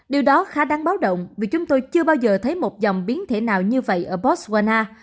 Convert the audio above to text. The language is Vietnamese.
điều đó khá đáng báo động vì chúng tôi chưa bao giờ thấy một dòng biến thể nào như vậy ở botswana